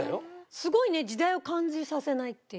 すごいね時代を感じさせないっていう。